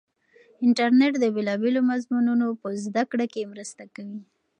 انټرنیټ د بېلابېلو مضمونو په زده کړه کې مرسته کوي.